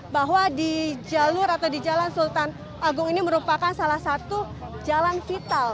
bahwa di jalur atau di jalan sultan agung ini merupakan salah satu jalan vital